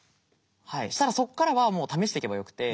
はいそしたらそっからはもう試していけばよくて。